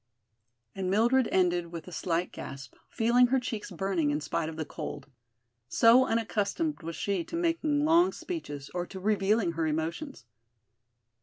And Mildred ended with a slight gasp, feeling her cheeks burning in spite of the cold, so unaccustomed was she to making long speeches or to revealing her emotions.